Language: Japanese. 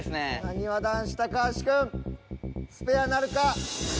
なにわ男子高橋くんスペアなるか？